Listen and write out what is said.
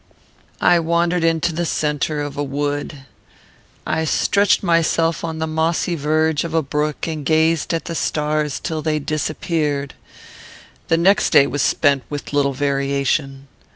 "I wandered into the centre of the wood. I stretched myself on the mossy verge of a brook, and gazed at the stars till they disappeared. The next day was spent with little variation.